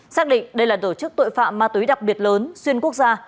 xác định đây là tổ chức tội phạm ma túy đặc biệt lớn xuyên quốc gia